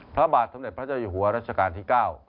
พระบาทสมเด็จพระเจ้าอยู่หัวรัชกาลที่๙